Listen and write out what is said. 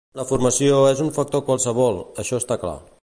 La formació és un factor qualsevol, això està clar.